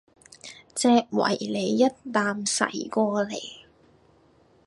隻維尼一啖噬過嚟